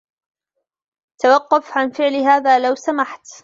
توقف عن فعل هذا لو سمحت